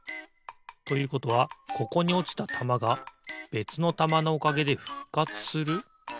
ということはここにおちたたまがべつのたまのおかげでふっかつする？